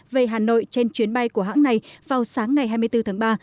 về hà nội trên chuyến bay của hãng này vào sáng ngày hai mươi bốn tháng ba